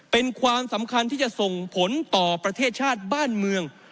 เป็นความสำคัญที่จะส่งผลต่อประเทศชาติบ้านเมือง